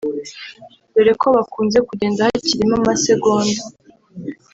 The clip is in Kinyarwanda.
dore ko bakunze kugenda hakirimo amasegonda